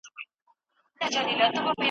که حضوري ښوونځی وي.